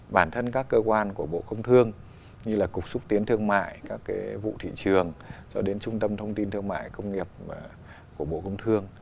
bản thân các cơ quan của bộ công thương như là cục xúc tiến thương mại các vụ thị trường cho đến trung tâm thông tin thương mại công nghiệp của bộ công thương